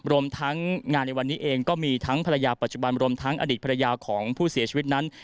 รวมทั้งงานในวันนี้เองก็มีทั้งภรรยาปัจจุบันรวมทั้งอดีตภรรยาของผู้เสียชีวิตนั้น